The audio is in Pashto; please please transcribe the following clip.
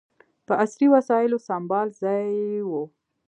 په عصري وسایلو سمبال ځای یې و.